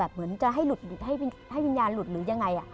เหมือนจะให้วิญญาณหลุดหรือยังไง